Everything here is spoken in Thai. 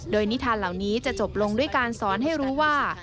โดยนิทานเหล่านี้จะจบลงด้วยการสอนให้รู้ว่า